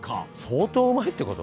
相当うまいって事？